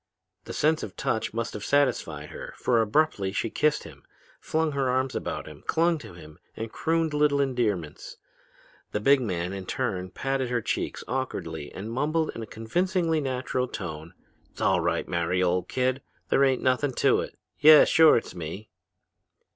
The sense of touch must have satisfied her, for abruptly she kissed him, flung her arms about him, clung to him, and crooned little endearments. The big man, in turn, patted her cheeks awkwardly and mumbled in a convincingly natural voice, ''Sall right, Mary, old kid! There ain't nothin' to it. Yeah! Sure it's me!'